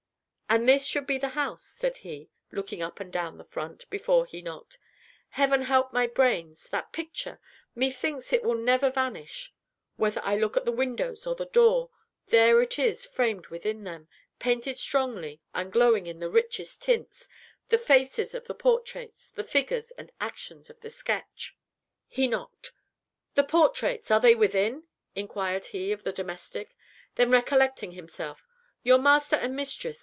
"And this should be the house," said he, looking up and down the front, before he knocked. "Heaven help my brains! That picture! Methinks it will never vanish. Whether I look at the windows or the door, there it is framed within them, painted strongly, and glowing in the richest tints the faces of the portraits the figures and action of the sketch!" He knocked. "The portraits! Are they within?" inquired he, of the domestic; then recollecting himself "your master and mistress!